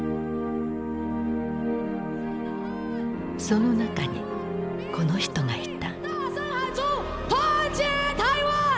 その中にこの人がいた。